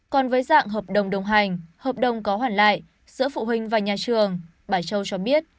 còn với dạng hợp đồng đồng hành hợp đồng có hoàn lại giữa phụ huynh và nhà trường bà châu cho biết